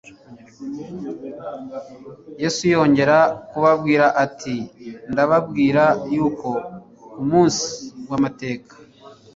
Yesu yongera kubabwira ati : "Ndababwira yuko ku munsi w'amateka,